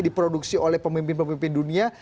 diproduksi oleh pemimpin pemimpin dunia